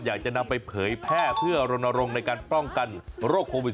อยากจะนำไปเผยแพร่เพื่อรณรงค์ในการป้องกันโรคโควิด๑